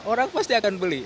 orang pasti akan beli